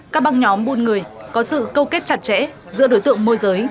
các băng nhóm buôn người có sự câu kết chặt chẽ giữa đối tượng môi giới